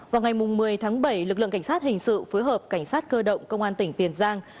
vào ngày một mươi tháng bảy lực lượng cảnh sát hình sự phối hợp cảnh sát cơ động công an tỉnh tiền giang